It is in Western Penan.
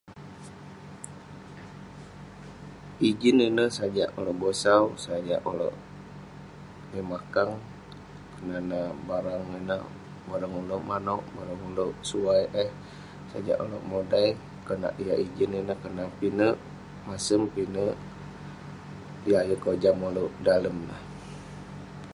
ijin ineh sajak ulouk bosau, sajak ulouk yeng makang, kerna neh barang ineh, bareng ulouk manouk bareng ulouk suai eh..sajak ulouk modai, konak yah ijin ineh kerna pinek masem pinek yah yeng kojam ulouk dalem neh